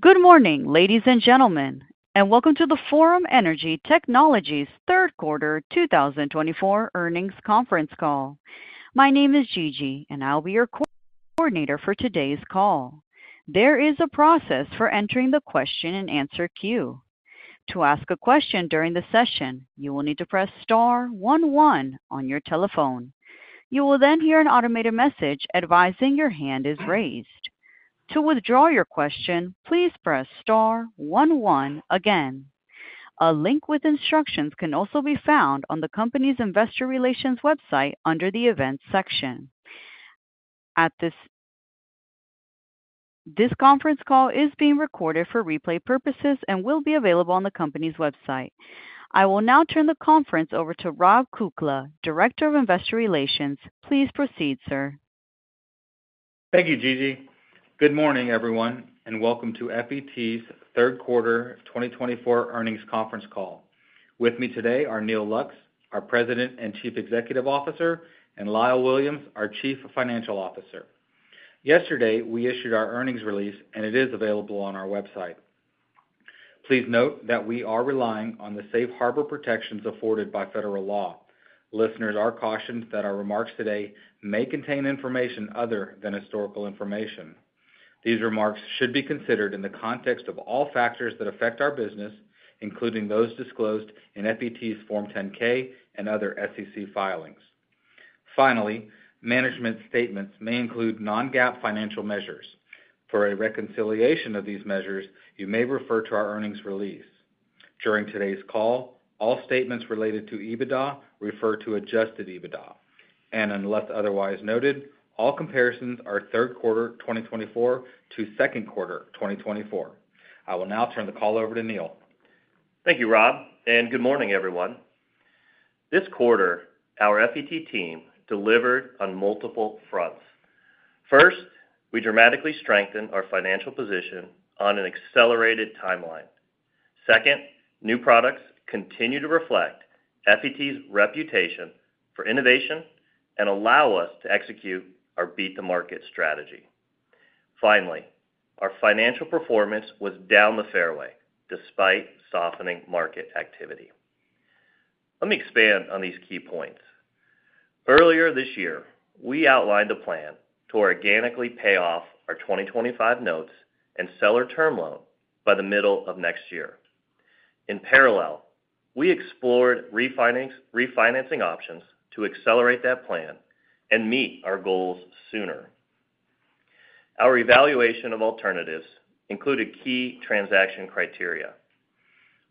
Good morning, ladies and gentlemen, and welcome to the Forum Energy Technologies' third quarter 2024 earnings conference call. My name is Gigi, and I'll be your coordinator for today's call. There is a process for entering the question and answer queue. To ask a question during the session, you will need to press star one one on your telephone. You will then hear an automated message advising your hand is raised. To withdraw your question, please press star one one again. A link with instructions can also be found on the company's investor relations website under the events section. This conference call is being recorded for replay purposes and will be available on the company's website. I will now turn the conference over to Rob Kukla, Director of Investor Relations. Please proceed, sir. Thank you, Gigi. Good morning, everyone, and welcome to FET's third quarter 2024 earnings conference call. With me today are Neal Lux, our President and Chief Executive Officer, and Lyle Williams, our Chief Financial Officer. Yesterday, we issued our earnings release, and it is available on our website. Please note that we are relying on the safe harbor protections afforded by federal law. Listeners are cautioned that our remarks today may contain information other than historical information. These remarks should be considered in the context of all factors that affect our business, including those disclosed in FET's Form 10-K and other SEC filings. Finally, management statements may include non-GAAP financial measures. For a reconciliation of these measures, you may refer to our earnings release. During today's call, all statements related to EBITDA refer to adjusted EBITDA, and unless otherwise noted, all comparisons are third quarter 2024 to second quarter 2024. I will now turn the call over to Neal. Thank you, Rob, and good morning, everyone. This quarter, our FET team delivered on multiple fronts. First, we dramatically strengthened our financial position on an accelerated timeline. Second, new products continue to reflect FET's reputation for innovation and allow us to execute our beat-the-market strategy. Finally, our financial performance was down the fairway despite softening market activity. Let me expand on these key points. Earlier this year, we outlined a plan to organically pay off our 2025 notes and seller term loan by the middle of next year. In parallel, we explored refinancing options to accelerate that plan and meet our goals sooner. Our evaluation of alternatives included key transaction criteria.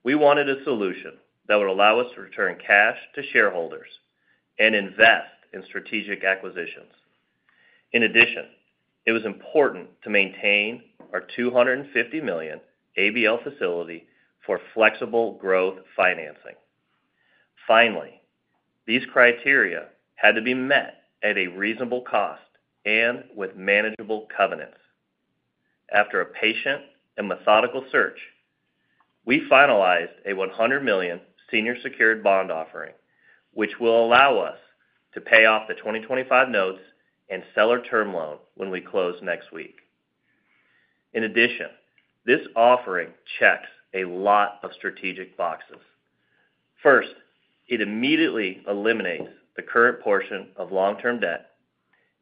We wanted a solution that would allow us to return cash to shareholders and invest in strategic acquisitions. In addition, it was important to maintain our 250 million ABL facility for flexible growth financing. Finally, these criteria had to be met at a reasonable cost and with manageable covenants. After a patient and methodical search, we finalized a $100 million senior secured bond offering, which will allow us to pay off the 2025 notes and seller term loan when we close next week. In addition, this offering checks a lot of strategic boxes. First, it immediately eliminates the current portion of long-term debt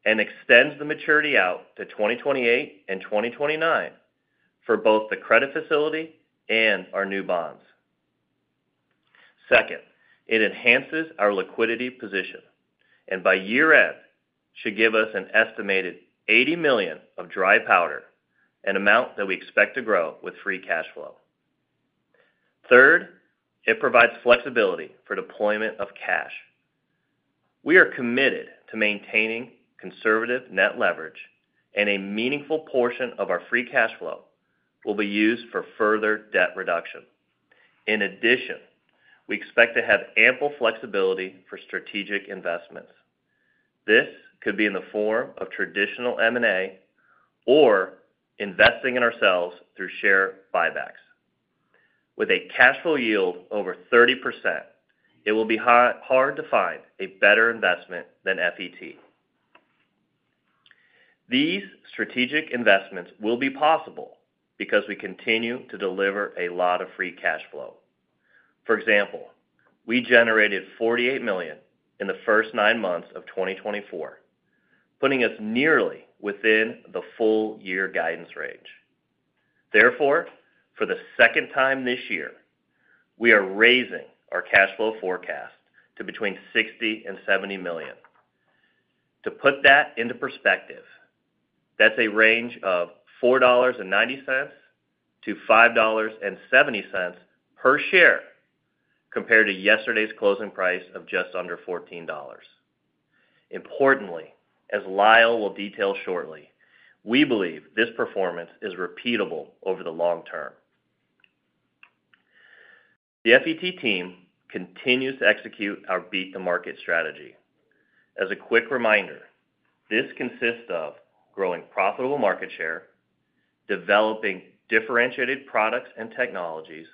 and extends the maturity out to 2028 and 2029 for both the credit facility and our new bonds. Second, it enhances our liquidity position, and by year-end should give us an estimated $80 million of dry powder, an amount that we expect to grow with free cash flow. Third, it provides flexibility for deployment of cash. We are committed to maintaining conservative net leverage, and a meaningful portion of our free cash flow will be used for further debt reduction. In addition, we expect to have ample flexibility for strategic investments. This could be in the form of traditional M&A or investing in ourselves through share buybacks. With a cash flow yield over 30%, it will be hard to find a better investment than FET. These strategic investments will be possible because we continue to deliver a lot of free cash flow. For example, we generated $48 million in the first nine months of 2024, putting us nearly within the full year guidance range. Therefore, for the second time this year, we are raising our cash flow forecast to between $60 million and $70 million. To put that into perspective, that's a range of $4.90-$5.70 per share compared to yesterday's closing price of just under $14. Importantly, as Lyle will detail shortly, we believe this performance is repeatable over the long term. The FET team continues to execute our beat-the-market strategy. As a quick reminder, this consists of growing profitable market share, developing differentiated products and technologies,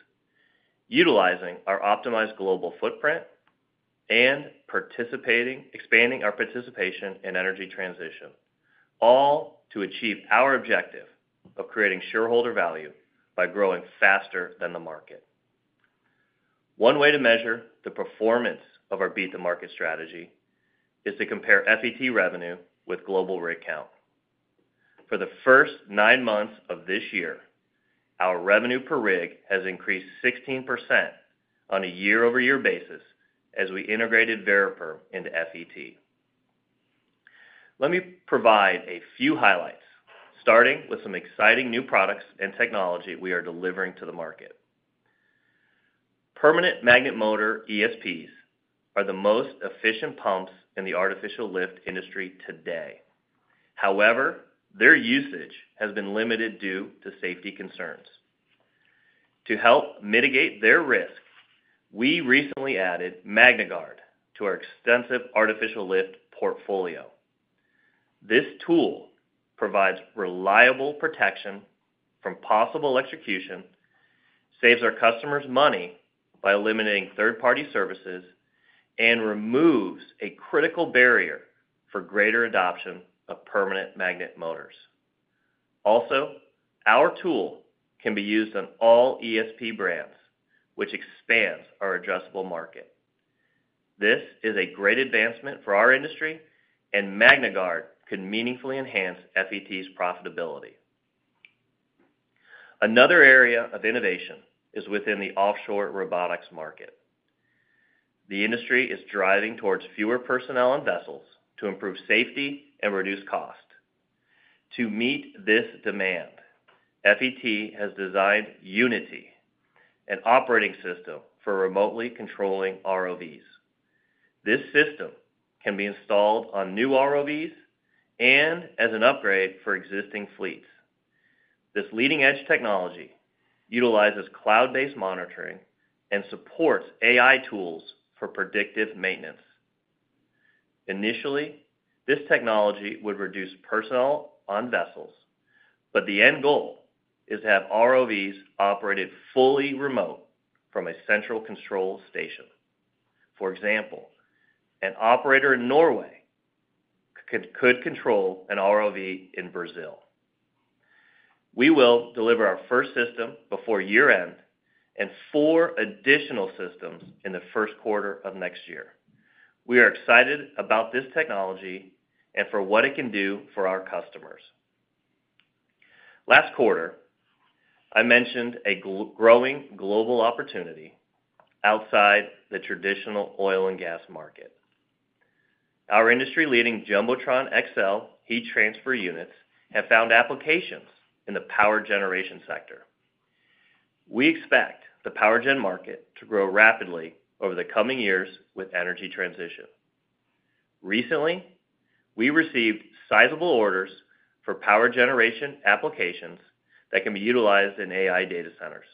utilizing our optimized global footprint, and expanding our participation in energy transition, all to achieve our objective of creating shareholder value by growing faster than the market. One way to measure the performance of our beat-the-market strategy is to compare FET revenue with global rig count. For the first nine months of this year, our revenue per rig has increased 16% on a year-over-year basis as we integrated Variperm into FET. Let me provide a few highlights, starting with some exciting new products and technology we are delivering to the market. Permanent magnet motor ESPs are the most efficient pumps in the artificial lift industry today. However, their usage has been limited due to safety concerns. To help mitigate their risk, we recently added MagnaGuard to our extensive artificial lift portfolio. This tool provides reliable protection from possible execution risks, saves our customers money by eliminating third-party services, and removes a critical barrier for greater adoption of permanent magnet motors. Also, our tool can be used on all ESP brands, which expands our addressable market. This is a great advancement for our industry, and MagnaGuard can meaningfully enhance FET's profitability. Another area of innovation is within the offshore robotics market. The industry is driving towards fewer personnel and vessels to improve safety and reduce cost. To meet this demand, FET has designed Unity, an operating system for remotely controlling ROVs. This system can be installed on new ROVs and as an upgrade for existing fleets. This leading-edge technology utilizes cloud-based monitoring and supports AI tools for predictive maintenance. Initially, this technology would reduce personnel on vessels, but the end goal is to have ROVs operated fully remote from a central control station. For example, an operator in Norway could control an ROV in Brazil. We will deliver our first system before year-end and four additional systems in the first quarter of next year. We are excited about this technology and for what it can do for our customers. Last quarter, I mentioned a growing global opportunity outside the traditional oil and gas market. Our industry-leading Jumbotron XL heat transfer units have found applications in the power generation sector. We expect the power gen market to grow rapidly over the coming years with energy transition. Recently, we received sizable orders for power generation applications that can be utilized in AI data centers.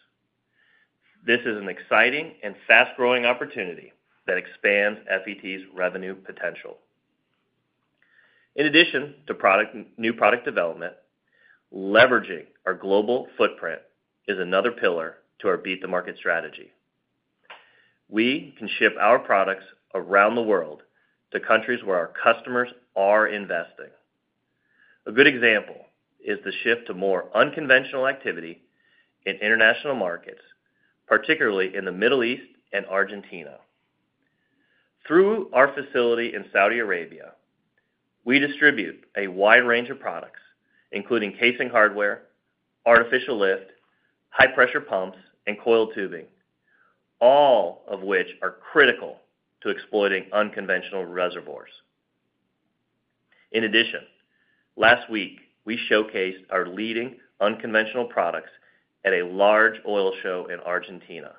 This is an exciting and fast-growing opportunity that expands FET's revenue potential. In addition to new product development, leveraging our global footprint is another pillar to our beat-the-market strategy. We can ship our products around the world to countries where our customers are investing. A good example is the shift to more unconventional activity in international markets, particularly in the Middle East and Argentina. Through our facility in Saudi Arabia, we distribute a wide range of products, including casing hardware, artificial lift, high-pressure pumps, and coil tubing, all of which are critical to exploiting unconventional reservoirs. In addition, last week, we showcased our leading unconventional products at a large oil show in Argentina.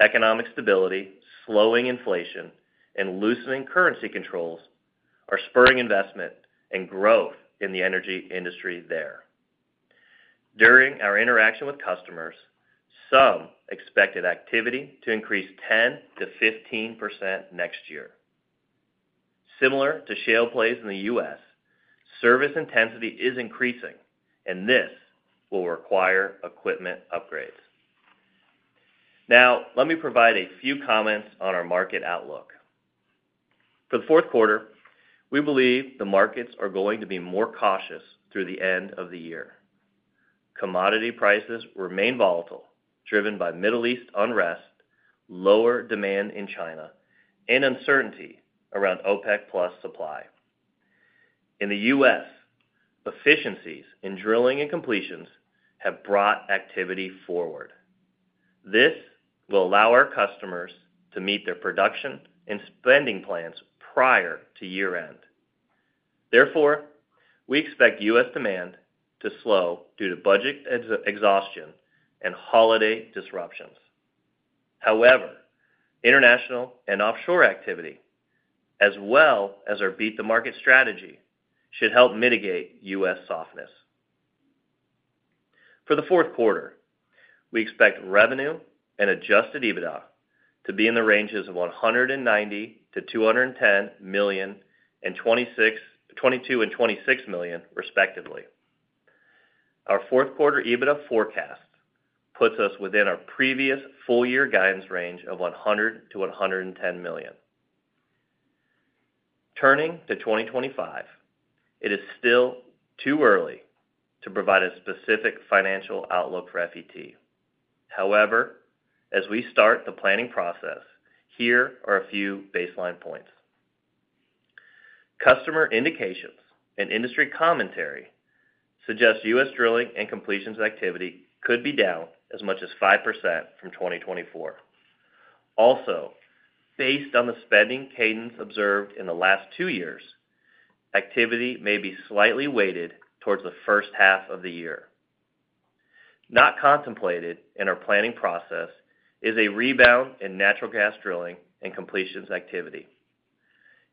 Economic stability, slowing inflation, and loosening currency controls are spurring investment and growth in the energy industry there. During our interaction with customers, some expected activity to increase 10%-15% next year. Similar to shale plays in the U.S., service intensity is increasing, and this will require equipment upgrades. Now, let me provide a few comments on our market outlook. For the fourth quarter, we believe the markets are going to be more cautious through the end of the year. Commodity prices remain volatile, driven by Middle East unrest, lower demand in China, and uncertainty around OPEC+ supply. In the U.S., efficiencies in drilling and completions have brought activity forward. This will allow our customers to meet their production and spending plans prior to year-end. Therefore, we expect U.S. demand to slow due to budget exhaustion and holiday disruptions. However, international and offshore activity, as well as our beat-the-market strategy, should help mitigate U.S. softness. For the fourth quarter, we expect revenue and Adjusted EBITDA to be in the ranges of $190 to 210 million and $22 to 26 million, respectively. Our fourth quarter EBITDA forecast puts us within our previous full-year guidance range of $100 million-$110 million. Turning to 2025, it is still too early to provide a specific financial outlook for FET. However, as we start the planning process, here are a few baseline points. Customer indications and industry commentary suggest U.S. drilling and completions activity could be down as much as 5% from 2024. Also, based on the spending cadence observed in the last two years, activity may be slightly weighted towards the first half of the year. Not contemplated in our planning process is a rebound in natural gas drilling and completions activity.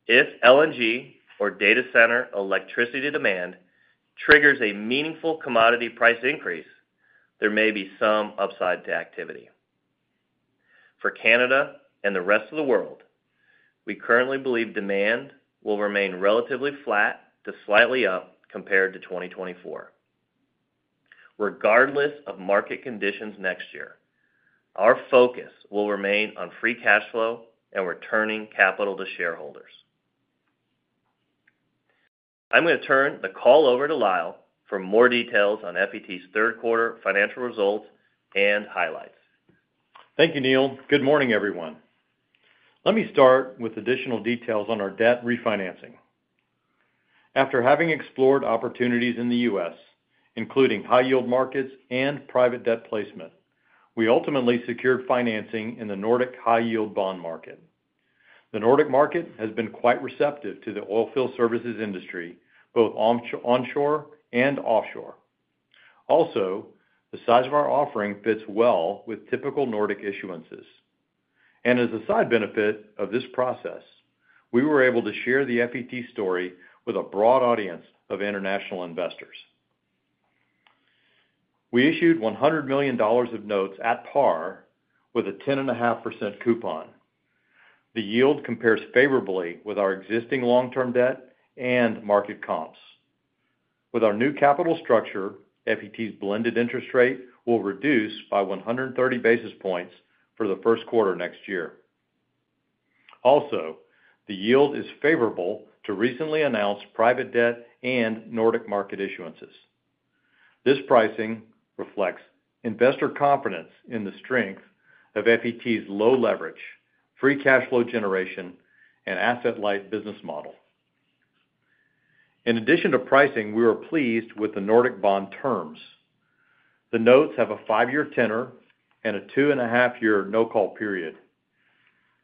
If LNG or data center electricity demand triggers a meaningful commodity price increase, there may be some upside to activity. For Canada and the rest of the world, we currently believe demand will remain relatively flat to slightly up compared to 2024. Regardless of market conditions next year, our focus will remain on free cash flow and returning capital to shareholders. I'm going to turn the call over to Lyle for more details on FET's third quarter financial results and highlights. Thank you, Neal. Good morning, everyone. Let me start with additional details on our debt refinancing. After having explored opportunities in the U.S., including high-yield markets and private debt placement, we ultimately secured financing in the Nordic high-yield bond market. The Nordic market has been quite receptive to the oil field services industry, both onshore and offshore. Also, the size of our offering fits well with typical Nordic issuances, and as a side benefit of this process, we were able to share the FET story with a broad audience of international investors. We issued $100 million of notes at par with a 10.5% coupon. The yield compares favorably with our existing long-term debt and market comps. With our new capital structure, FET's blended interest rate will reduce by 130 basis points for the first quarter next year. Also, the yield is favorable to recently announced private debt and Nordic market issuances. This pricing reflects investor confidence in the strength of FET's low leverage, free cash flow generation, and asset-light business model. In addition to pricing, we were pleased with the Nordic bond terms. The notes have a five-year tenor and a two-and-a-half-year no-call period.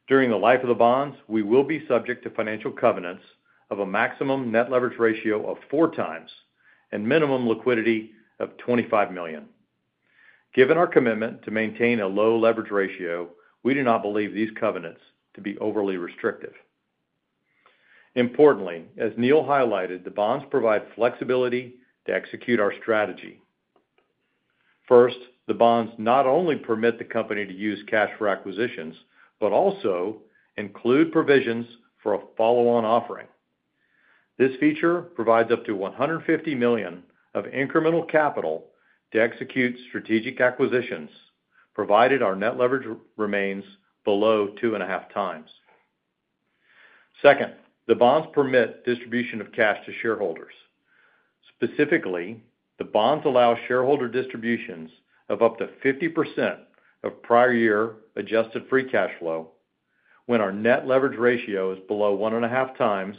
During the life of the bonds, we will be subject to financial covenants of a maximum net leverage ratio of four times and minimum liquidity of $25 million. Given our commitment to maintain a low leverage ratio, we do not believe these covenants to be overly restrictive. Importantly, as Neal highlighted, the bonds provide flexibility to execute our strategy. First, the bonds not only permit the company to use cash for acquisitions, but also include provisions for a follow-on offering. This feature provides up to $150 million of incremental capital to execute strategic acquisitions, provided our net leverage remains below two and a half times. Second, the bonds permit distribution of cash to shareholders. Specifically, the bonds allow shareholder distributions of up to 50% of prior year adjusted free cash flow when our net leverage ratio is below one and a half times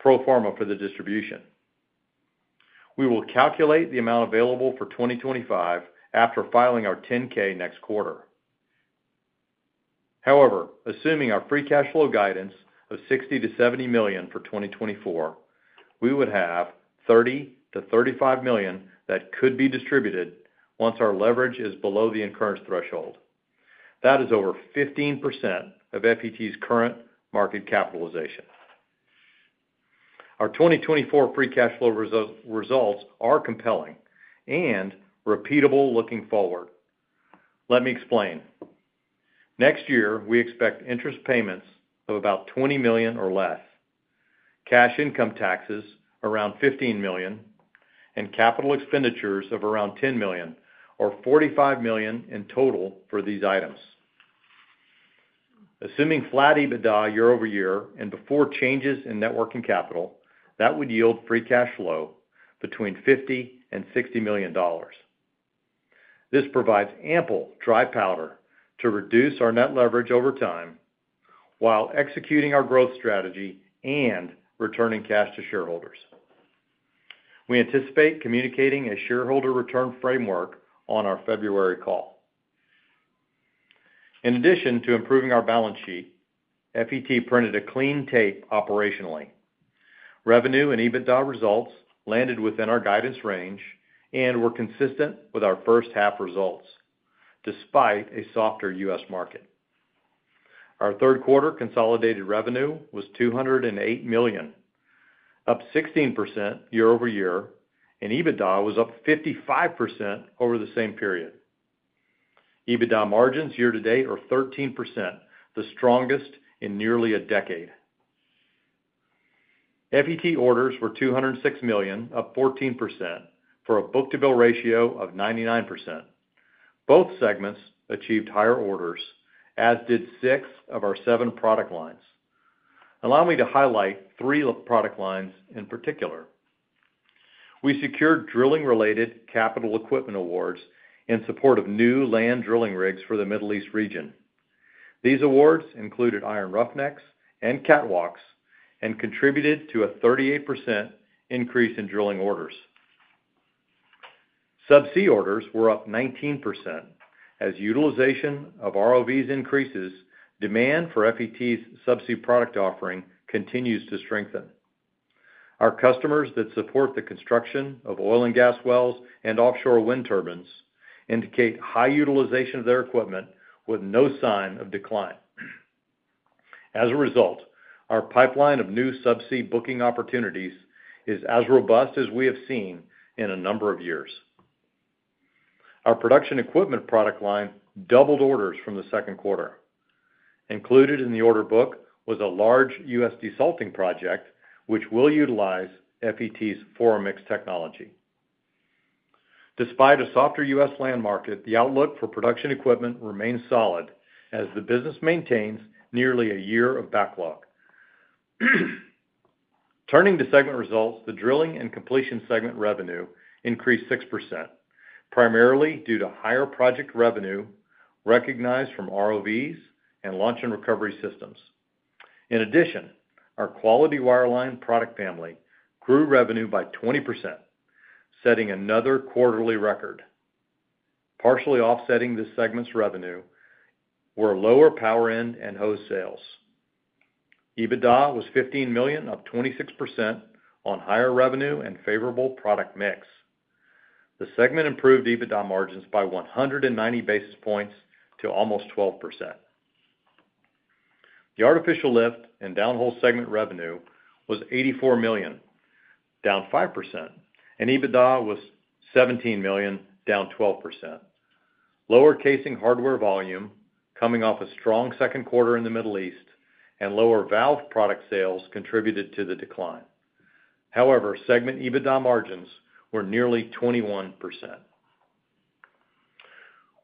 pro forma for the distribution. We will calculate the amount available for 2025 after filing our 10-K next quarter. However, assuming our free cash flow guidance of $60 to 70 million for 2024, we would have $30 to 35 million that could be distributed once our leverage is below the incurrence threshold. That is over 15% of FET's current market capitalization. Our 2024 free cash flow results are compelling and repeatable looking forward. Let me explain. Next year, we expect interest payments of about $20 million or less, cash income taxes around $15 million, and capital expenditures of around $10 million, or $45 million in total for these items. Assuming flat EBITDA year over year and before changes in net working capital, that would yield free cash flow between $50 million and $60 million. This provides ample dry powder to reduce our net leverage over time while executing our growth strategy and returning cash to shareholders. We anticipate communicating a shareholder return framework on our February call. In addition to improving our balance sheet, FET printed a clean tape operationally. Revenue and EBITDA results landed within our guidance range and were consistent with our first half results, despite a softer U.S. market. Our third quarter consolidated revenue was $208 million, up 16% year over year, and EBITDA was up 55% over the same period. EBITDA margins year-to-date are 13%, the strongest in nearly a decade. FET orders were $206 million, up 14%, for a book-to-bill ratio of 99%. Both segments achieved higher orders, as did six of our seven product lines. Allow me to highlight three product lines in particular. We secured drilling-related capital equipment awards in support of new land drilling rigs for the Middle East region. These awards included iron roughnecks and catwalks and contributed to a 38% increase in drilling orders. Subsea orders were up 19%, as utilization of ROVs increases, demand for FET's subsea product offering continues to strengthen. Our customers that support the construction of oil and gas wells and offshore wind turbines indicate high utilization of their equipment with no sign of decline. As a result, our pipeline of new subsea booking opportunities is as robust as we have seen in a number of years. Our production equipment product line doubled orders from the second quarter. Included in the order book was a large U.S. desalting project, which will utilize FET's ForaMix technology. Despite a softer U.S. land market, the outlook for production equipment remains solid as the business maintains nearly a year of backlog. Turning to segment results, the drilling and completion segment revenue increased 6%, primarily due to higher project revenue recognized from ROVs and launch and recovery systems. In addition, our Quality Wireline product family grew revenue by 20%, setting another quarterly record. Partially offsetting this segment's revenue were lower power end and hose sales. EBITDA was $15 million, up 26%, on higher revenue and favorable product mix. The segment improved EBITDA margins by 190 basis points to almost 12%. The artificial lift and downhole segment revenue was $84 million, down 5%, and EBITDA was $17 million, down 12%. Lower casing hardware volume coming off a strong second quarter in the Middle East and lower valve product sales contributed to the decline. However, segment EBITDA margins were nearly 21%.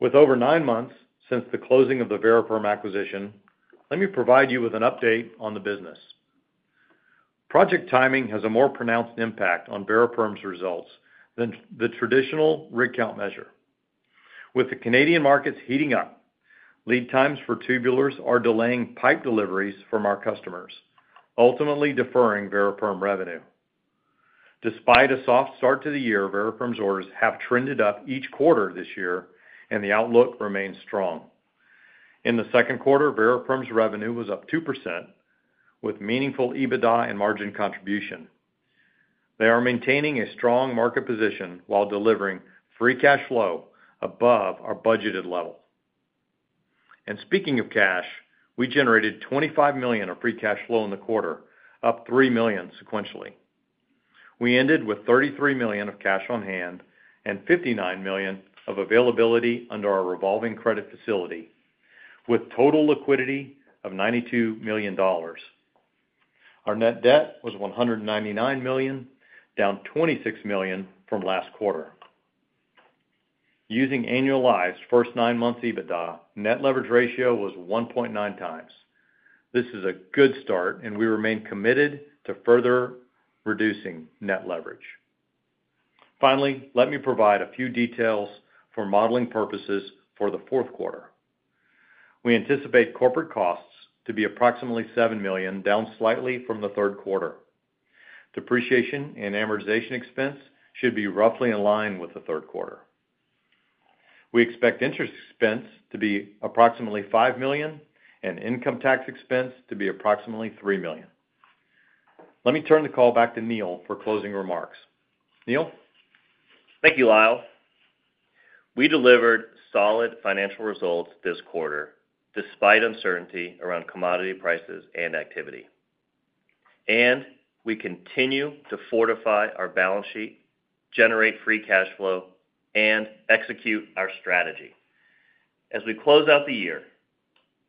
With over nine months since the closing of the Variperm acquisition, let me provide you with an update on the business. Project timing has a more pronounced impact on Variperm's results than the traditional rig count measure. With the Canadian markets heating up, lead times for tubulars are delaying pipe deliveries from our customers, ultimately deferring Variperm revenue. Despite a soft start to the year, Variperm's orders have trended up each quarter this year, and the outlook remains strong. In the second quarter, Variperm's revenue was up 2%, with meaningful EBITDA and margin contribution. They are maintaining a strong market position while delivering free cash flow above our budgeted level. And speaking of cash, we generated $25 million of free cash flow in the quarter, up $3 million sequentially. We ended with $33 million of cash on hand and $59 million of availability under our revolving credit facility, with total liquidity of $92 million. Our net debt was $199 million, down $26 million from last quarter. Using annualized first nine months EBITDA, net leverage ratio was 1.9 times. This is a good start, and we remain committed to further reducing net leverage. Finally, let me provide a few details for modeling purposes for the fourth quarter. We anticipate corporate costs to be approximately $7 million, down slightly from the third quarter. Depreciation and amortization expense should be roughly in line with the third quarter. We expect interest expense to be approximately $5 million and income tax expense to be approximately $3 million. Let me turn the call back to Neal for closing remarks. Neal? Thank you, Lyle. We delivered solid financial results this quarter, despite uncertainty around commodity prices and activity. And we continue to fortify our balance sheet, generate free cash flow, and execute our strategy. As we close out the year,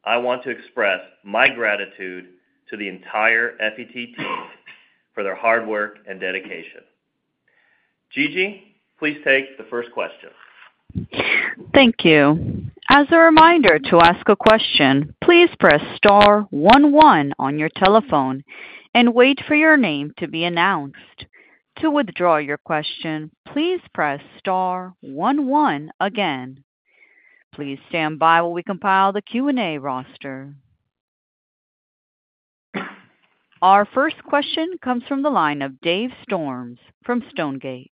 I want to express my gratitude to the entire FET team for their hard work and dedication. Gigi, please take the first question. Thank you. As a reminder to ask a question, please press star 11 on your telephone and wait for your name to be announced. To withdraw your question, please press star 11 again. Please stand by while we compile the Q&A roster. Our first question comes from the line of Dave Storms from Stonegate.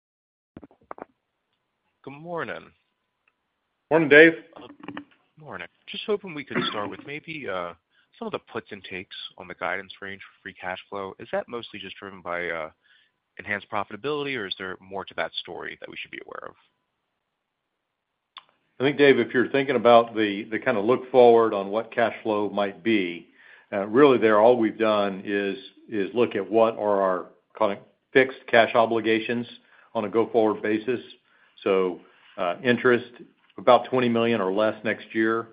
Good morning. Morning, Dave. Good morning. Just hoping we could start with maybe some of the puts and takes on the guidance range for free cash flow. Is that mostly just driven by enhanced profitability, or is there more to that story that we should be aware of? I think, Dave, if you're thinking about the kind of look forward on what cash flow might be, really all we've done is look at what are our fixed cash obligations on a go-forward basis. So interest, about $20 million or less next year.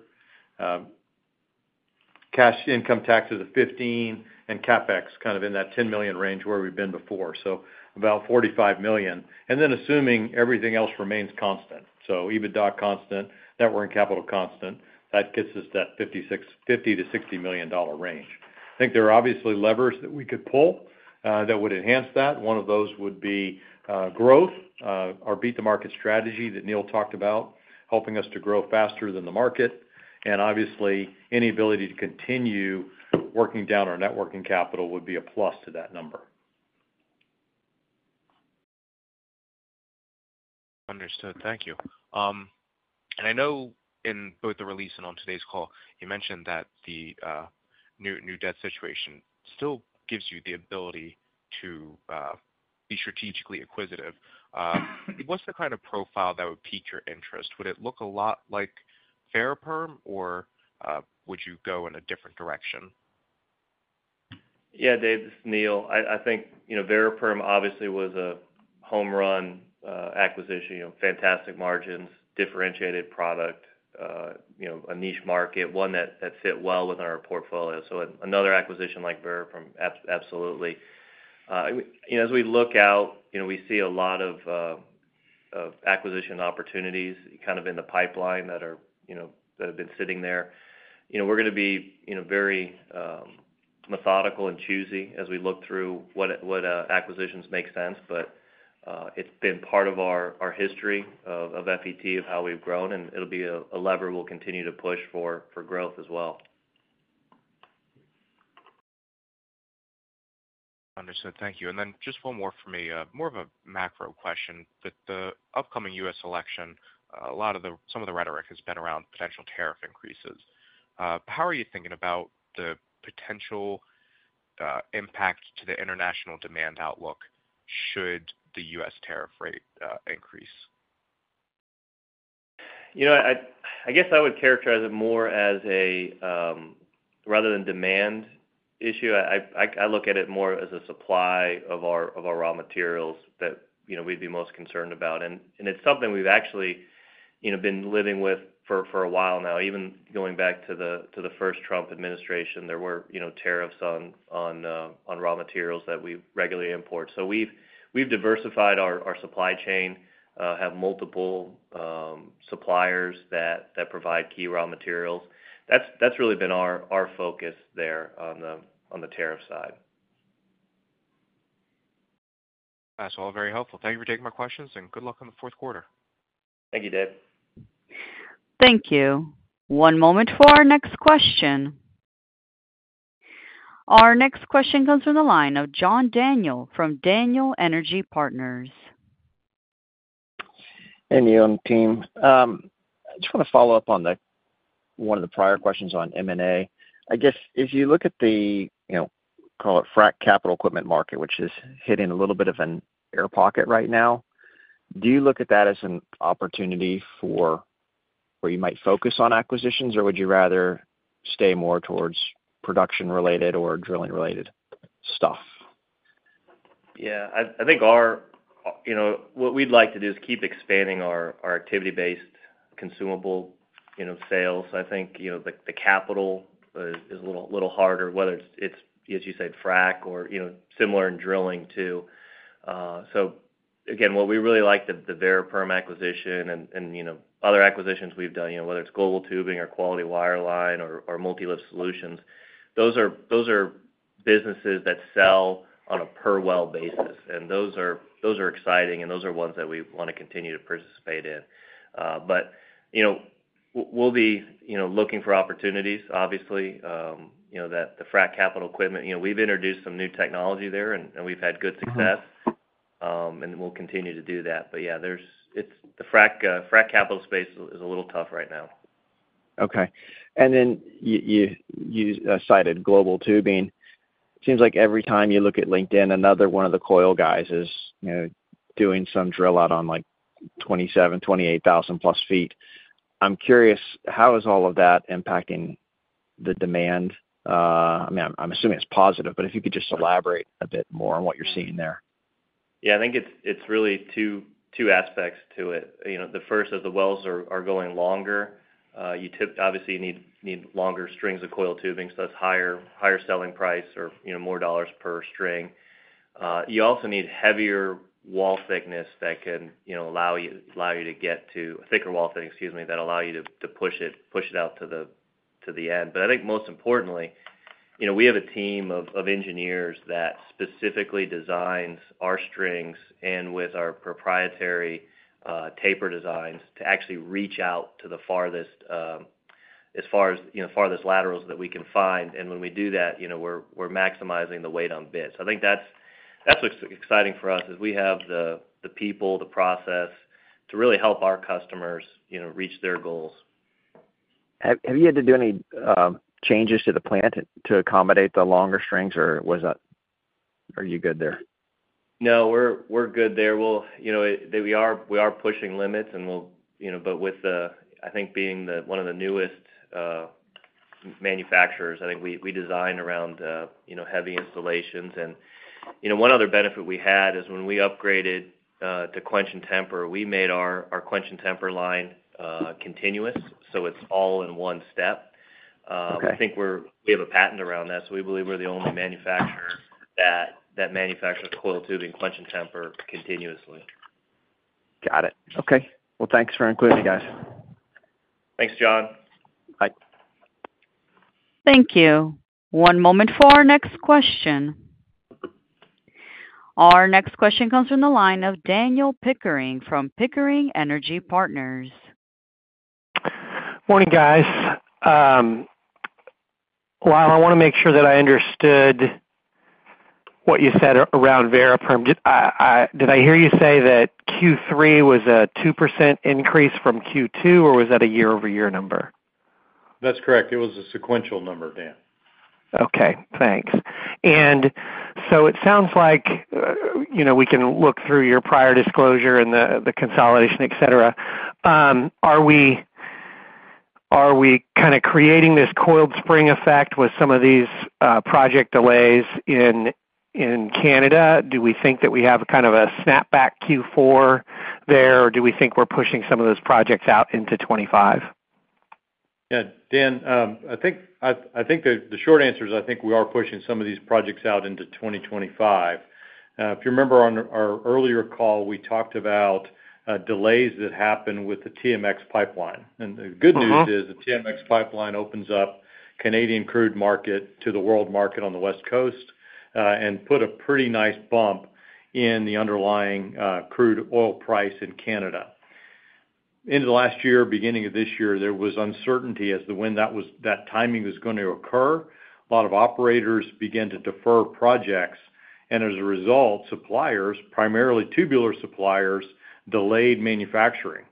Cash income taxes of $15 million and CapEx kind of in that $10 million range where we've been before. So about $45 million. And then assuming everything else remains constant. So EBITDA constant, net working capital constant, that gets us that $50 to 60 million range. I think there are obviously levers that we could pull that would enhance that. One of those would be growth, our beat the market strategy that Neal talked about, helping us to grow faster than the market. And obviously, any ability to continue working down our net working capital would be a plus to that number. Understood. Thank you. And I know in both the release and on today's call, you mentioned that the new debt situation still gives you the ability to be strategically acquisitive. What's the kind of profile that would pique your interest? Would it look a lot like Variperm, or would you go in a different direction? Yeah, Dave, this is Neal. I think Variperm obviously was a home run acquisition, fantastic margins, differentiated product, a niche market, one that fit well with our portfolio. So another acquisition like Variperm, absolutely. As we look out, we see a lot of acquisition opportunities kind of in the pipeline that have been sitting there. We're going to be very methodical and choosy as we look through what acquisitions make sense, but it's been part of our history of FET, of how we've grown, and it'll be a lever we'll continue to push for growth as well. Understood. Thank you. And then just one more for me, more of a macro question. With the upcoming U.S. election, a lot of the some of the rhetoric has been around potential tariff increases. How are you thinking about the potential impact to the international demand outlook should the U.S. tariff rate increase? I guess I would characterize it more as a rather than demand issue. I look at it more as a supply of our raw materials that we'd be most concerned about. And it's something we've actually been living with for a while now. Even going back to the first Trump administration, there were tariffs on raw materials that we regularly import. So we've diversified our supply chain, have multiple suppliers that provide key raw materials. That's really been our focus there on the tariff side. That's all very helpful. Thank you for taking my questions, and good luck on the fourth quarter. Thank you, Dave. Thank you. One moment for our next question. Our next question comes from the line of John Daniel from Daniel Energy Partners. Hey, Neil and team. I just want to follow up on one of the prior questions on M&A. I guess if you look at the, call it, frac capital equipment market, which is hitting a little bit of an air pocket right now, do you look at that as an opportunity for where you might focus on acquisitions, or would you rather stay more towards production-related or drilling-related stuff? Yeah, I think what we'd like to do is keep expanding our activity-based consumable sales. I think the capital is a little harder, whether it's, as you said, frack or similar in drilling too. So again, what we really like, the Variperm acquisition and other acquisitions we've done, whether it's Global Tubing or Quality Wireline or Multi-Lift Solutions, those are businesses that sell on a per well basis. Those are exciting, and those are ones that we want to continue to participate in. But we'll be looking for opportunities, obviously, that the frac capital equipment, we've introduced some new technology there, and we've had good success, and we'll continue to do that. But yeah, the frac capital space is a little tough right now. Okay. And then you cited Global Tubing. It seems like every time you look at LinkedIn, another one of the coil guys is doing some drill out on 27-28,000-plus feet. I'm curious, how is all of that impacting the demand? I mean, I'm assuming it's positive, but if you could just elaborate a bit more on what you're seeing there. Yeah, I think it's really two aspects to it. The first is the wells are going longer. You obviously need longer strings of coil tubing, so that's higher selling price or more dollars per string. You also need heavier wall thickness that can allow you to get to a thicker wall thickness, excuse me, that allow you to push it out to the end. But I think most importantly, we have a team of engineers that specifically designs our strings and with our proprietary taper designs to actually reach out to the farthest, as far as the farthest laterals that we can find. And when we do that, we're maximizing the weight on bits. I think that's what's exciting for us, is we have the people, the process to really help our customers reach their goals. Have you had to do any changes to the plant to accommodate the longer strings, or are you good there? No, we're good there. Well, we are pushing limits, but with, I think, being one of the newest manufacturers, I think we design around heavy installations. And one other benefit we had is when we upgraded to quench and temper, we made our quench and temper line continuous, so it's all in one step. I think we have a patent around that, so we believe we're the only manufacturer that manufactures coil tubing quench and temper continuously. Got it. Okay. Well, thanks for including you guys. Thanks, John. Bye. Thank you. One moment for our next question. Our next question comes from the line of Daniel Pickering from Pickering Energy Partners. Morning, guys. Lyle, I want to make sure that I understood what you said around Variperm. Did I hear you say that Q3 was a 2% increase from Q2, or was that a year-over-year number? That's correct. It was a sequential number, Dan. Okay. Thanks. And so it sounds like we can look through your prior disclosure and the consolidation, etc. Are we kind of creating this coiled spring effect with some of these project delays in Canada? Do we think that we have kind of a snapback Q4 there, or do we think we're pushing some of those projects out into 2025? Yeah. Dan, I think the short answer is I think we are pushing some of these projects out into 2025. If you remember on our earlier call, we talked about delays that happen with the TMX pipeline. And the good news is the TMX pipeline opens up Canadian crude market to the world market on the West Coast and put a pretty nice bump in the underlying crude oil price in Canada. In the last year, beginning of this year, there was uncertainty as to when that timing was going to occur. A lot of operators began to defer projects, and as a result, suppliers, primarily tubular suppliers, delayed manufacturing.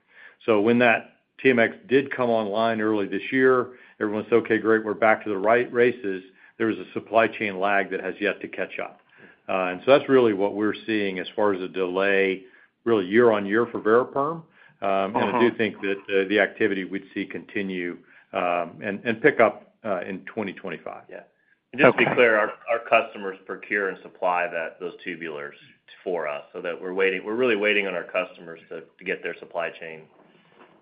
So when that TMX did come online early this year, everyone said, "Okay, great, we're back to the right races." There was a supply chain lag that has yet to catch up. And so that's really what we're seeing as far as a delay, really year-on-year for Variperm. And I do think that the activity we'd see continue and pick up in 2025. Yeah. And just to be clear, our customers procure and supply those tubulars for us, so that we're really waiting on our customers to get their supply chain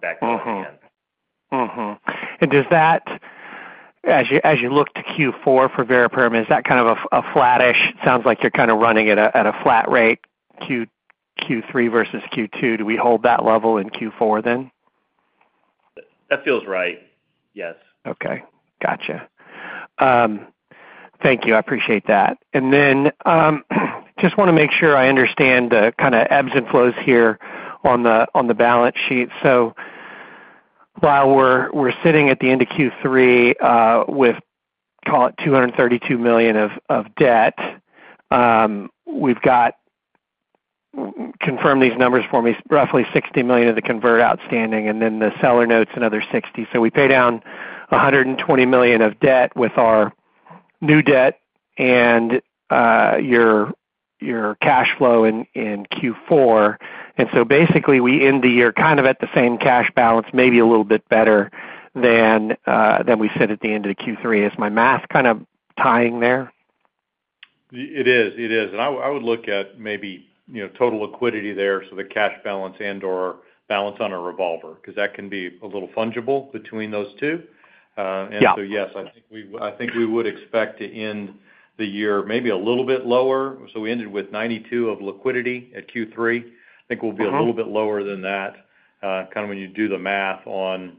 back up again. And does that, as you look to Q4 for Variperm, is that kind of a flat-ish? It sounds like you're kind of running at a flat rate Q3 versus Q2. Do we hold that level in Q4 then? That feels right. Yes. Okay. Gotcha. Thank you. I appreciate that. And then just want to make sure I understand the kind of ebbs and flows here on the balance sheet. So while we're sitting at the end of Q3 with, call it, $232 million of debt, we've got, confirm these numbers for me, roughly $60 million of the convert outstanding, and then the seller notes another $60 million. So we pay down $120 million of debt with our new debt and your cash flow in Q4. And so basically, we end the year kind of at the same cash balance, maybe a little bit better than we said at the end of Q3. Is my math kind of tying there? It is. It is. And I would look at maybe total liquidity there, so the cash balance and/or balance on a revolver, because that can be a little fungible between those two. And so yes, I think we would expect to end the year maybe a little bit lower. So we ended with $92 million of liquidity at Q3. I think we'll be a little bit lower than that kind of when you do the math on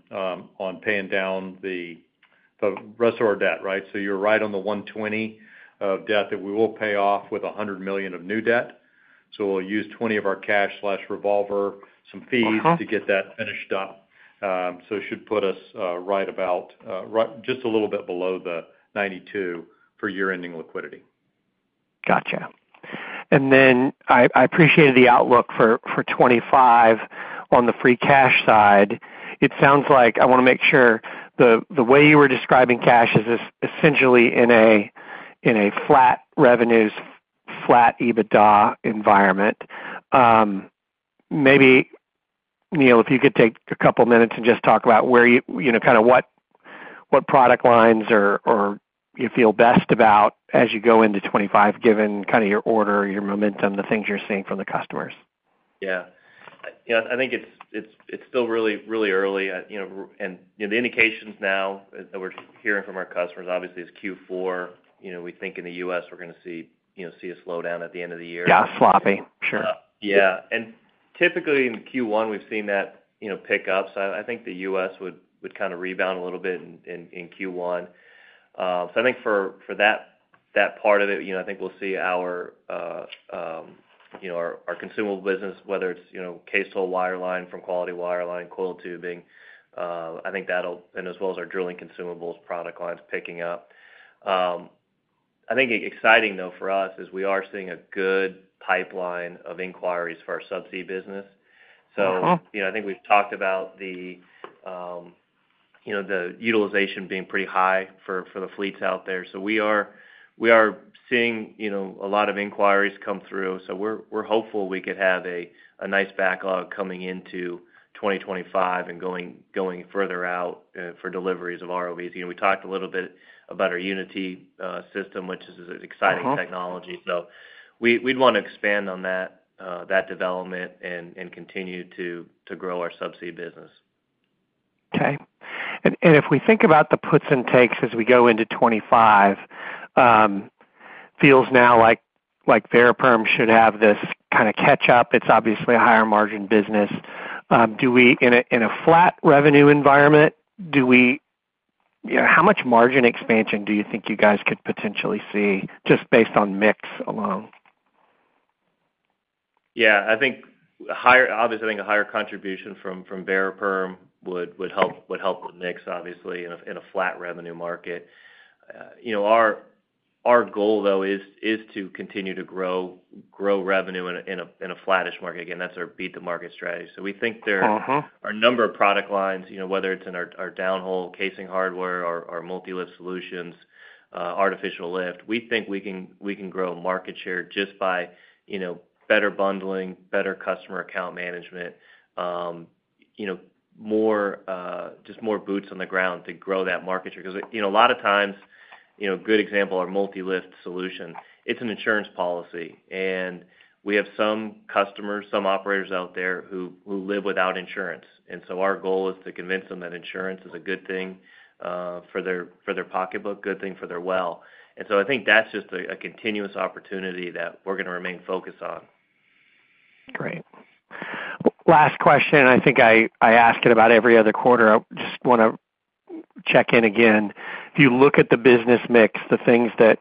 paying down the rest of our debt, right? So you're right on the $120 million of debt that we will pay off with $100 million of new debt. So we'll use $20 million of our cash/revolver, some fees to get that finished up. So it should put us right about just a little bit below the $92 million for year-ending liquidity. Gotcha. And then I appreciated the outlook for 2025 on the free cash side. It sounds like, I want to make sure, the way you were describing cash is essentially in a flat revenues, flat EBITDA environment. Maybe, Neal, if you could take a couple of minutes and just talk about kind of what product lines you feel best about as you go into 2025, given kind of your order, your momentum, the things you're seeing from the customers. Yeah. I think it's still really, really early. And the indications now that we're hearing from our customers, obviously, is Q4. We think in the U.S., we're going to see a slowdown at the end of the year. Yeah, sloppy. Sure. Yeah. And typically in Q1, we've seen that pick up. So I think the U.S. would kind of rebound a little bit in Q1. So I think for that part of it, I think we'll see our consumable business, whether it's cased hole wireline from Quality Wireline, coiled tubing, I think that'll and as well as our drilling consumables product lines picking up. I think exciting, though, for us is we are seeing a good pipeline of inquiries for our subsea business. So I think we've talked about the utilization being pretty high for the fleets out there. So we are seeing a lot of inquiries come through. So we're hopeful we could have a nice backlog coming into 2025 and going further out for deliveries of ROVs. We talked a little bit about our Unity system, which is an exciting technology. So we'd want to expand on that development and continue to grow our subsea business. Okay. And if we think about the puts and takes as we go into 2025, feels now like Variperm should have this kind of catch-up. It's obviously a higher margin business. In a flat revenue environment, how much margin expansion do you think you guys could potentially see, just based on mix alone? Yeah. Obviously, I think a higher contribution from Variperm would help the mix, obviously, in a flat revenue market. Our goal, though, is to continue to grow revenue in a flattish market. Again, that's our beat the market strategy. So we think our number of product lines, whether it's in our downhole casing hardware, our Multi-Lift Solutions, artificial lift, we think we can grow market share just by better bundling, better customer account management, just more boots on the ground to grow that market share. Because a lot of times, a good example of our Multi-Lift Solutions, it's an insurance policy. And we have some customers, some operators out there who live without insurance. And so our goal is to convince them that insurance is a good thing for their pocketbook, good thing for their well. And so I think that's just a continuous opportunity that we're going to remain focused on. Great. Last question. I think I ask it about every other quarter. I just want to check in again. If you look at the business mix, the things that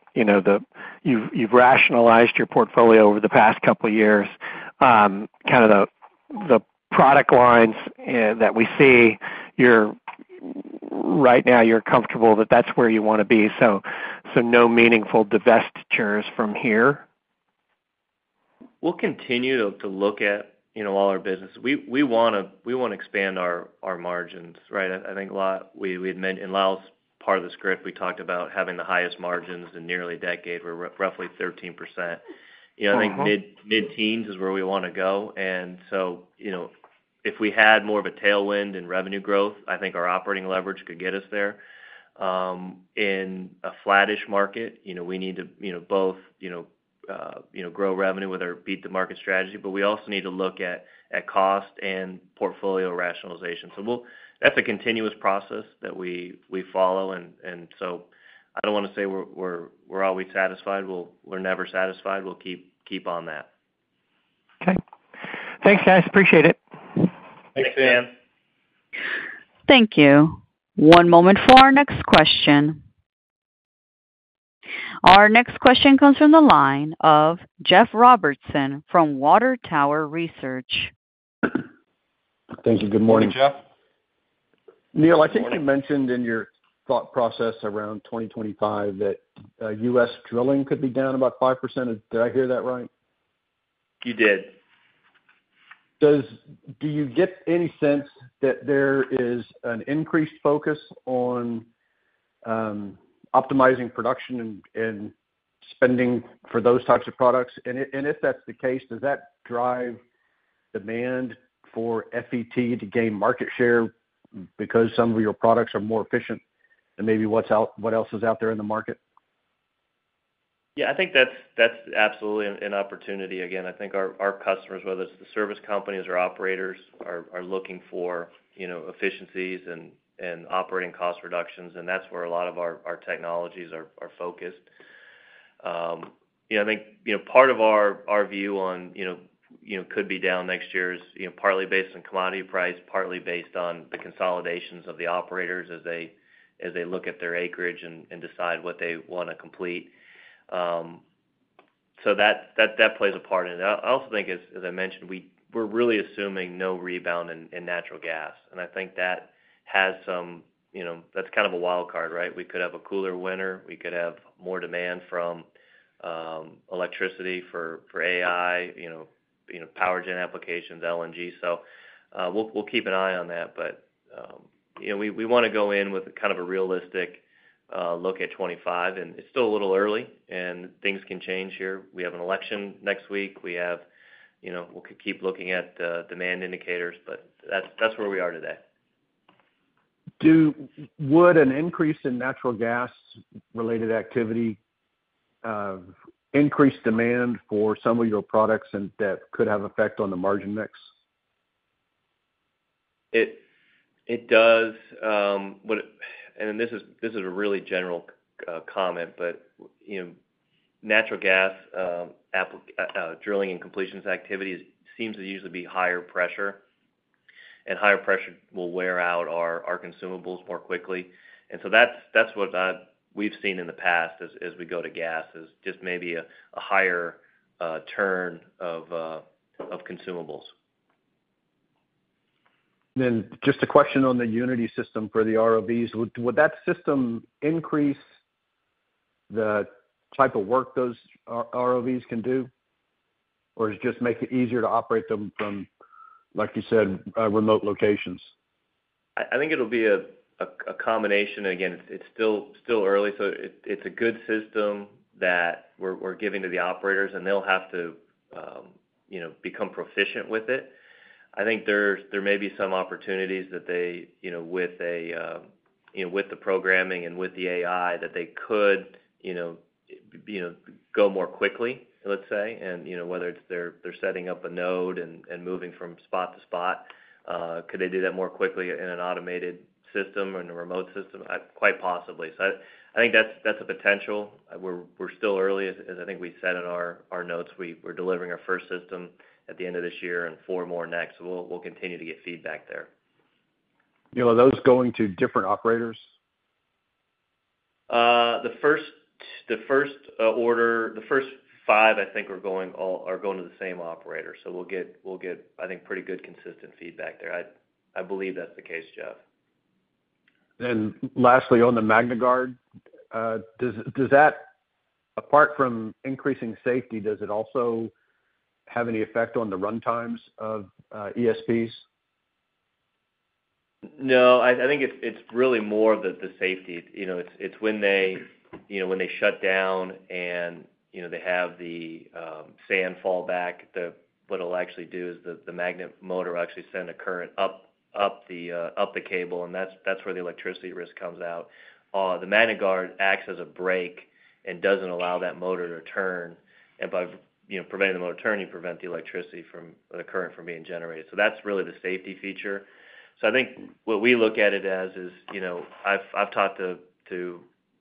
you've rationalized your portfolio over the past couple of years, kind of the product lines that we see, right now, you're comfortable that that's where you want to be. So no meaningful divestitures from here? We'll continue to look at all our business. We want to expand our margins, right? I think a lot we had mentioned in Lyle's part of the script, we talked about having the highest margins in nearly a decade were roughly 13%. I think mid-teens is where we want to go. And so if we had more of a tailwind in revenue growth, I think our operating leverage could get us there. In a flattish market, we need to both grow revenue with our beat the market strategy, but we also need to look at cost and portfolio rationalization. So that's a continuous process that we follow. And so I don't want to say we're always satisfied. We're never satisfied. We'll keep on that. Okay. Thanks, guys. Appreciate it. Thanks, Dan. Thank you. One moment for our next question. Our next question comes from the line of Jeff Robertson from Water Tower Research. Thank you. Good morning. Hey, Jeff. Neal, I think you mentioned in your thought process around 2025 that U.S. drilling could be down about 5%. Did I hear that right? You did. Do you get any sense that there is an increased focus on optimizing production and spending for those types of products? And if that's the case, does that drive demand for FET to gain market share because some of your products are more efficient than maybe what else is out there in the market? Yeah. I think that's absolutely an opportunity. Again, I think our customers, whether it's the service companies or operators, are looking for efficiencies and operating cost reductions. And that's where a lot of our technologies are focused. I think part of our view on could be down next year is partly based on commodity price, partly based on the consolidations of the operators as they look at their acreage and decide what they want to complete. So that plays a part in it. I also think, as I mentioned, we're really assuming no rebound in natural gas. And I think that has some—that's kind of a wild card, right? We could have a cooler winter. We could have more demand from electricity for AI, power gen applications, LNG. So we'll keep an eye on that. But we want to go in with kind of a realistic look at 2025. And it's still a little early, and things can change here. We have an election next week. We could keep looking at demand indicators, but that's where we are today. Would an increase in natural gas-related activity increase demand for some of your products that could have effect on the margin mix? It does. And this is a really general comment, but natural gas drilling and completions activity seems to usually be higher pressure. And higher pressure will wear out our consumables more quickly. And so that's what we've seen in the past as we go to gas, is just maybe a higher turn of consumables. Then just a question on the Unity system for the ROVs. Would that system increase the type of work those ROVs can do, or just make it easier to operate them from, like you said, remote locations? I think it'll be a combination. Again, it's still early. So it's a good system that we're giving to the operators, and they'll have to become proficient with it. I think there may be some opportunities that they, with the programming and with the AI, that they could go more quickly, let's say. And whether it's they're setting up a node and moving from spot to spot, could they do that more quickly in an automated system or in a remote system? Quite possibly. So I think that's a potential. We're still early, as I think we said in our notes. We're delivering our first system at the end of this year and four more next. So we'll continue to get feedback there. Are those going to different operators? The first order, the first five, I think are going to the same operator. So we'll get, I think, pretty good consistent feedback there. I believe that's the case, Jeff. Then lastly, on the MagnaGuard, apart from increasing safety, does it also have any effect on the runtimes of ESPs? No. I think it's really more of the safety. It's when they shut down and they have the sand fall back, what it'll actually do is the magnet motor will actually send a current up the cable, and that's where the electricity risk comes out. The MagnaGuard acts as a brake and doesn't allow that motor to turn. By preventing the motor turning, you prevent the electricity from the current from being generated. So that's really the safety feature. So I think what we look at it as is I've talked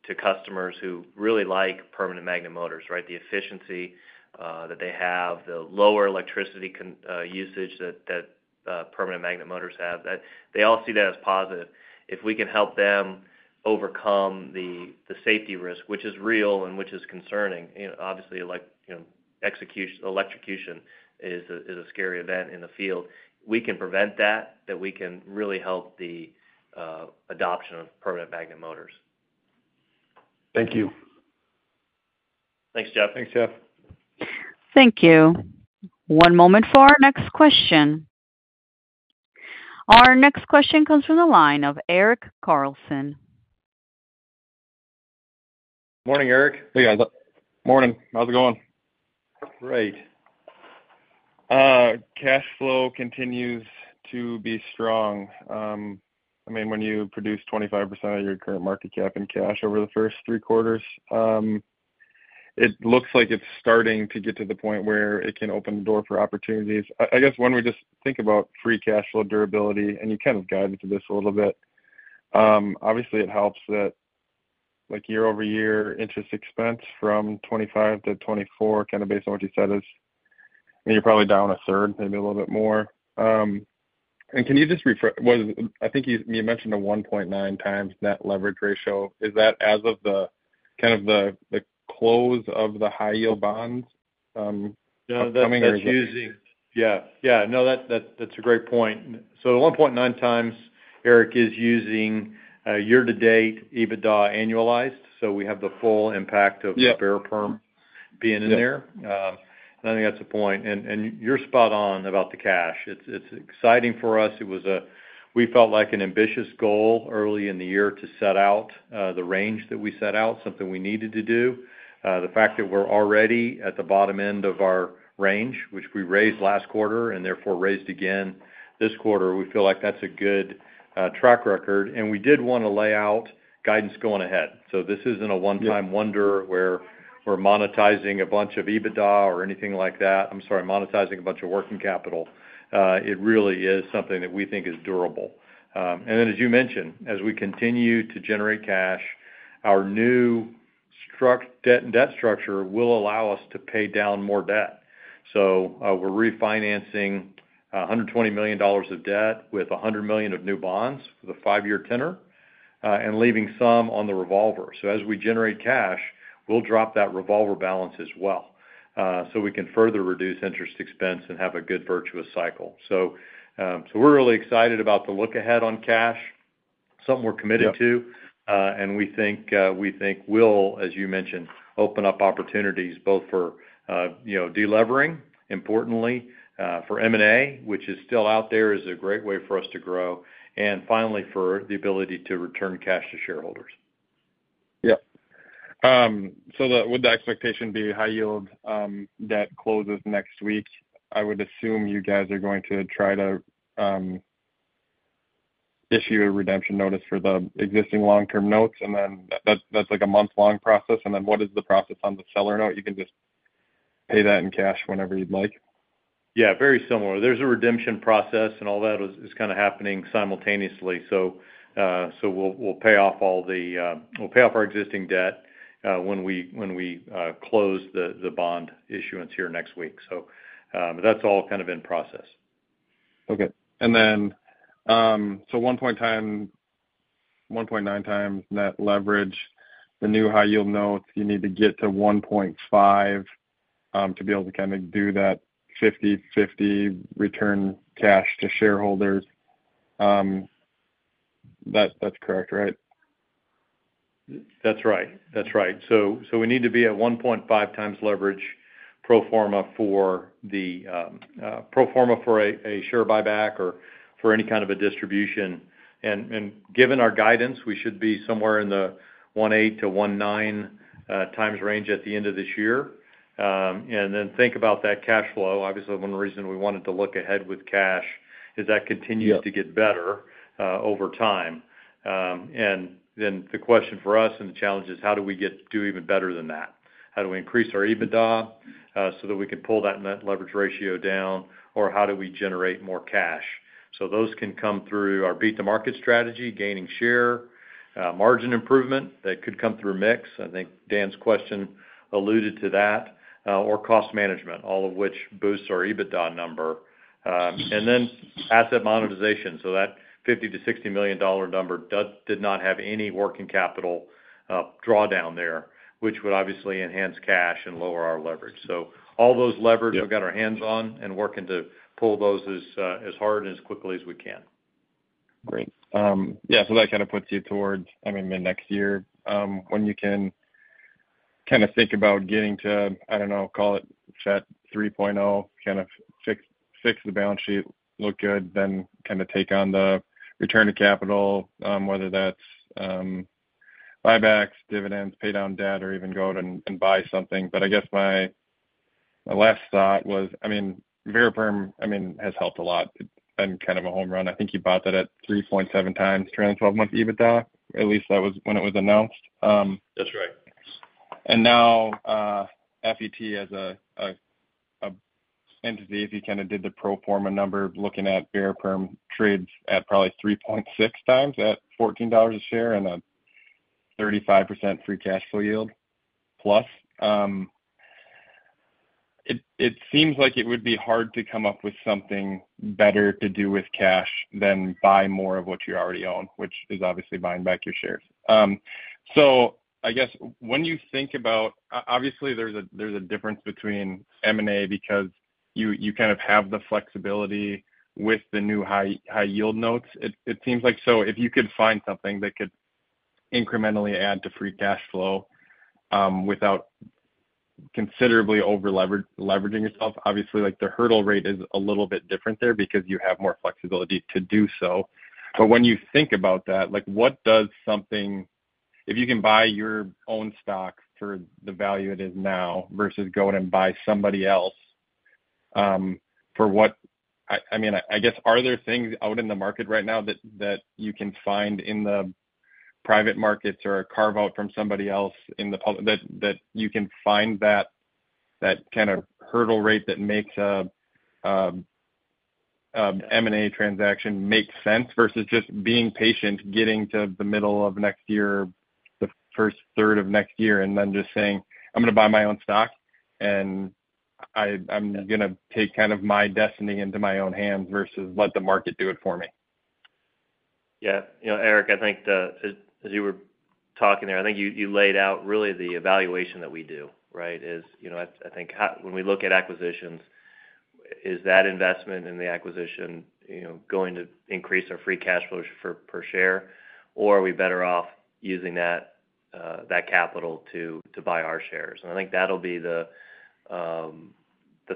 to customers who really like permanent magnet motors, right? The efficiency that they have, the lower electricity usage that permanent magnet motors have. They all see that as positive. If we can help them overcome the safety risk, which is real and which is concerning, obviously, electrocution is a scary event in the field. We can prevent that, we can really help the adoption of permanent magnet motors. Thank you. Thanks, Jeff. Thanks, Jeff. Thank you. One moment for our next question. Our next question comes from the line of Eric Carlson. Morning, Eric. Hey, guys. Morning. How's it going? Great. Cash flow continues to be strong. I mean, when you produce 25% of your current market cap in cash over the first three quarters, it looks like it's starting to get to the point where it can open the door for opportunities. I guess when we just think about free cash flow durability, and you kind of guided to this a little bit, obviously, it helps that year-over-year interest expense from 2025 to 2024, kind of based on what you said, is you're probably down a third, maybe a little bit more. And can you just, I think you mentioned a 1.9 times net leverage ratio. Is that as of the kind of the close of the high-yield bonds coming? Yeah. That's using, yeah. Yeah. No, that's a great point. So the 1.9 times, Eric, is using year-to-date EBITDA annualized. So we have the full impact of the Variperm being in there. And I think that's a point. And you're spot on about the cash. It's exciting for us. We felt like an ambitious goal early in the year to set out the range that we set out, something we needed to do. The fact that we're already at the bottom end of our range, which we raised last quarter and therefore raised again this quarter, we feel like that's a good track record. And we did want to lay out guidance going ahead. So this isn't a one-time wonder where we're monetizing a bunch of EBITDA or anything like that. I'm sorry, monetizing a bunch of working capital. It really is something that we think is durable. And then, as you mentioned, as we continue to generate cash, our new debt and debt structure will allow us to pay down more debt. We're refinancing $120 million of debt with $100 million of new bonds for the five-year tenor and leaving some on the revolver. As we generate cash, we'll drop that revolver balance as well so we can further reduce interest expense and have a good virtuous cycle. We're really excited about the look ahead on cash, something we're committed to. We think we'll, as you mentioned, open up opportunities both for delevering, importantly, for M&A, which is still out there, is a great way for us to grow, and finally, for the ability to return cash to shareholders. Yeah. Would the expectation be high-yield debt closes next week? I would assume you guys are going to try to issue a redemption notice for the existing long-term notes. Then that's like a month-long process. What is the process on the seller note? You can just pay that in cash whenever you'd like. Yeah. Very similar. There's a redemption process, and all that is kind of happening simultaneously. So we'll pay off all the—we'll pay off our existing debt when we close the bond issuance here next week. So that's all kind of in process. Okay. And then so 1.9 times net leverage, the new high-yield notes, you need to get to 1.5 to be able to kind of do that 50/50 return cash to shareholders. That's correct, right? That's right. That's right. So we need to be at 1.5 times leverage pro forma for the pro forma for a share buyback or for any kind of a distribution. And given our guidance, we should be somewhere in the 1.8 to 1.9 times range at the end of this year. And then think about that cash flow. Obviously, one reason we wanted to look ahead with cash is that continues to get better over time. And then the question for us and the challenge is, how do we do even better than that? How do we increase our EBITDA so that we can pull that net leverage ratio down, or how do we generate more cash? So those can come through our beat the market strategy, gaining share, margin improvement that could come through a mix. I think Dan's question alluded to that, or cost management, all of which boosts our EBITDA number. And then asset monetization. So that $50 to 60 million number did not have any working capital drawdown there, which would obviously enhance cash and lower our leverage. So all those levers we've got our hands on and working to pull those as hard and as quickly as we can. Great. Yeah. So that kind of puts you towards, I mean, the next year when you can kind of think about getting to, I don't know, call it FET 3.0, kind of fix the balance sheet, look good, then kind of take on the return of capital, whether that's buybacks, dividends, pay down debt, or even go and buy something. But I guess my last thought was, I mean, Variperm, I mean, has helped a lot in kind of a home run. I think you bought that at 3.7 times trailing 12-month EBITDA. At least that was when it was announced. That's right. And now FET as an entity, if you kind of did the pro forma number, looking at Variperm trades at probably 3.6 times at $14 a share and a 35% free cash flow yield plus. It seems like it would be hard to come up with something better to do with cash than buy more of what you already own, which is obviously buying back your shares. So I guess when you think about, obviously, there's a difference between M&A because you kind of have the flexibility with the new high-yield notes. It seems like so if you could find something that could incrementally add to free cash flow without considerably over-leveraging yourself, obviously, the hurdle rate is a little bit different there because you have more flexibility to do so. But when you think about that, what does something - if you can buy your own stock for the value it is now versus going and buy somebody else for what - I mean, I guess, are there things out in the market right now that you can find in the private markets or carve out from somebody else in the public that you can find that kind of hurdle rate that makes an M&A transaction make sense versus just being patient, getting to the middle of next year, the first third of next year, and then just saying, "I'm going to buy my own stock, and I'm going to take kind of my destiny into my own hands versus let the market do it for me"? Yeah. Eric, I think as you were talking there, I think you laid out really the evaluation that we do, right? I think when we look at acquisitions, is that investment in the acquisition going to increase our free cash flows per share, or are we better off using that capital to buy our shares? And I think that'll be the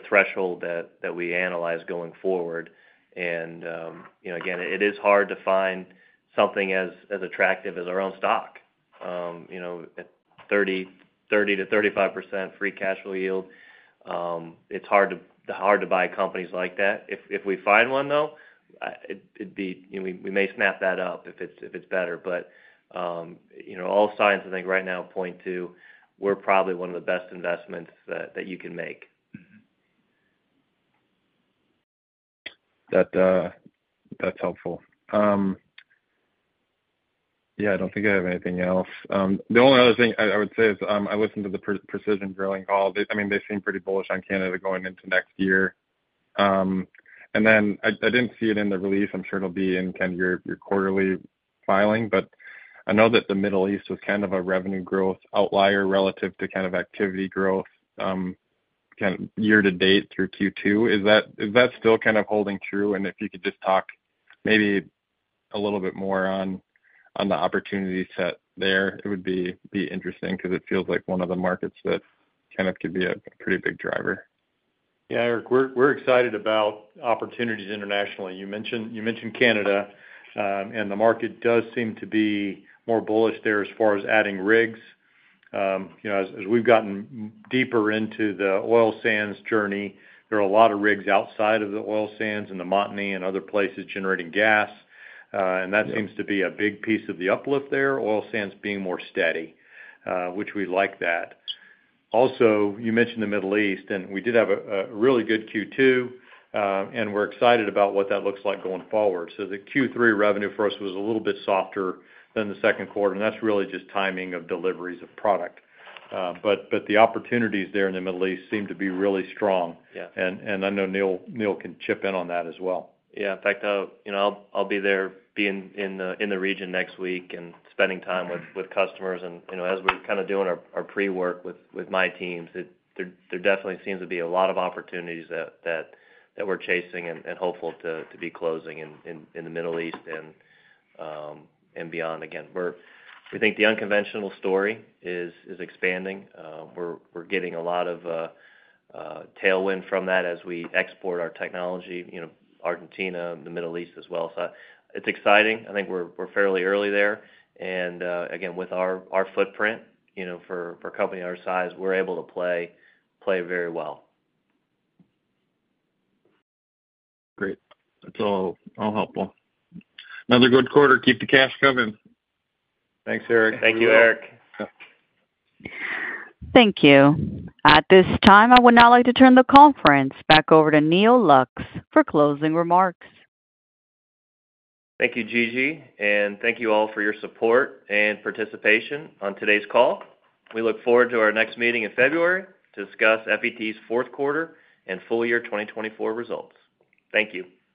threshold that we analyze going forward. And again, it is hard to find something as attractive as our own stock. 30%-35% free cash flow yield. It's hard to buy companies like that. If we find one, though, we may snap that up if it's better. But all signs, I think, right now point to we're probably one of the best investments that you can make. That's helpful. Yeah. I don't think I have anything else. The only other thing I would say is I listened to the Precision Drilling call. I mean, they seem pretty bullish on Canada going into next year. And then I didn't see it in the release. I'm sure it'll be in kind of your quarterly filing. But I know that the Middle East was kind of a revenue growth outlier relative to kind of activity growth year-to-date through Q2. Is that still kind of holding true? And if you could just talk maybe a little bit more on the opportunity set there, it would be interesting because it feels like one of the markets that kind of could be a pretty big driver. Yeah. Eric, we're excited about opportunities internationally. You mentioned Canada, and the market does seem to be more bullish there as far as adding rigs. As we've gotten deeper into the oil sands journey, there are a lot of rigs outside of the oil sands and the Montney and other places generating gas. That seems to be a big piece of the uplift there, oil sands being more steady, which we like that. Also, you mentioned the Middle East, and we did have a really good Q2, and we're excited about what that looks like going forward. The Q3 revenue for us was a little bit softer than the second quarter, and that's really just timing of deliveries of product. The opportunities there in the Middle East seem to be really strong. I know Neal can chip in on that as well. Yeah. In fact, I'll be there being in the region next week and spending time with customers. As we're kind of doing our pre-work with my teams, there definitely seems to be a lot of opportunities that we're chasing and hopeful to be closing in the Middle East and beyond. Again, we think the unconventional story is expanding. We're getting a lot of tailwind from that as we export our technology, Argentina, the Middle East as well. So it's exciting. I think we're fairly early there. And again, with our footprint for a company our size, we're able to play very well. Great. That's all helpful. Another good quarter. Keep the cash coming. Thanks, Eric. Thank you, Eric. Thank you. At this time, I would now like to turn the conference back over to Neal Lux for closing remarks. Thank you, Gigi. And thank you all for your support and participation on today's call. We look forward to our next meeting in February to discuss FET's fourth quarter and full year 2024 results. Thank you.